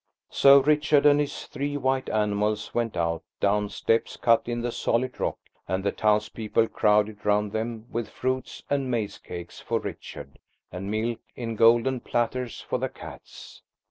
So Richard and his three white animals went out down steps cut in the solid rock, and the townspeople crowded round them with fruits and maize cakes for Richard, and milk in golden platters for the cats.